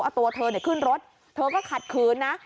เอาตัวเธอขึ้นรถเธอก็ขัดขืนนะ